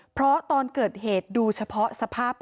เพราะตอนเกิดเหตุดูเฉพาะสภาพภายนอกรถ